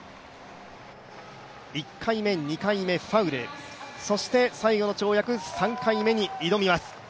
１回目、２回目、ファウル、そして最後の跳躍、３回目に挑みます。